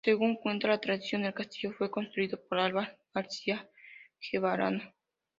Según cuenta la tradición, el castillo fue construido por Alvar García-Bejarano.